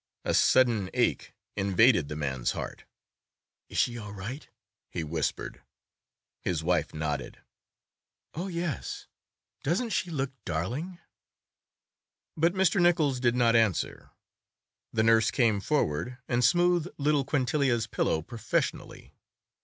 A sudden ache invaded the man's heart. "Is she all right?" he whispered. His wife nodded. "Oh, yes. Doesn't she look darling?" But Mr. Nichols did not answer. The nurse came forward and smoothed little Quintilia's pillow professionally.